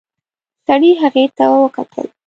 سړي هغې ته وکتل.